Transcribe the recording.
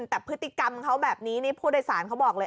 แต่พฤติกรรมเขาแบบนี้นี่ผู้โดยสารเขาบอกเลย